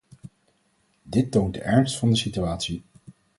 Dit toont de ernst van de situatie.